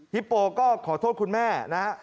ฮิปโปล่าก็ขอโทษคุณแม่นะ